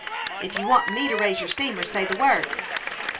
" If you want me to raise your steamer, say the word."